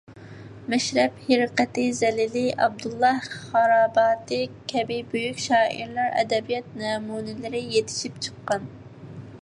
مەشرەپ، ھىرقەتى، زەلىلىي، ئابدۇللاھ خاراباتىي كەبى بۈيۈك شائىرلار، ئەدەبىيات نەمۇنىلىرى يېتىشىپ چىققان.